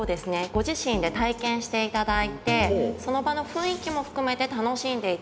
ご自身で体験していただいてその場の雰囲気も含めて楽しんでいただく。